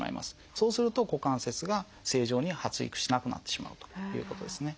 そうすると股関節が正常に発育しなくなってしまうということですね。